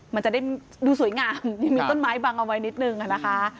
มันจะได้ดูสวยงามมีต้นไม้บังเอาไว้นิดนึงนะคะ